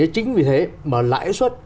chính vì thế mà lãi suất